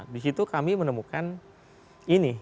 di situ kami menemukan ini